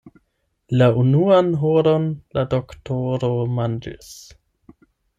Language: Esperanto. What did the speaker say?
La unuan horon la doktoro manĝis.